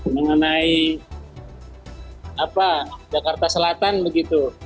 mengenai jakarta selatan begitu